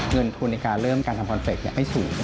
เงินทุนในการเริ่มการทำคอนเซ็ปต์ให้สูง